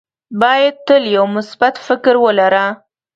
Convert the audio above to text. باید تل یو مثبت فکر ولره.